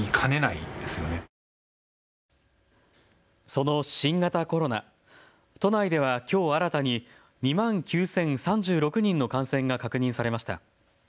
その新型コロナ、都内ではきょう新たに２万９０３６人の感染が確認されました。